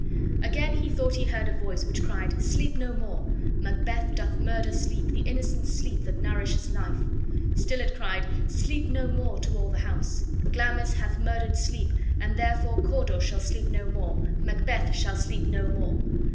Again he thought he heard a voice which cried: "Sleep no more! Macbeth doth murder sleep, the innocent sleep, that nourishes life." Still it cried, "Sleep no more!" to all the house. "Glamis hath murdered sleep, and therefore Cawdor shall sleep no more, Macbeth shall sleep no more."